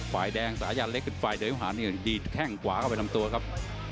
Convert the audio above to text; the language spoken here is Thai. ฝ่ายแดงซ้ายเล็กเป็นฝ่ายเดียวหาดีดแค่งขวาเข้าไปลำตัวครับ